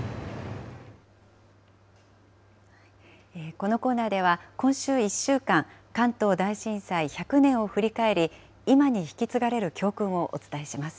このコーナーでは、今週１週間、関東大震災１００年を振り返り、今に引き継がれる教訓をお伝えします。